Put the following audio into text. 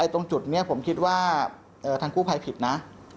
ตรงจุดนี้ผมคิดว่าทางกู้ภัยผิดนะ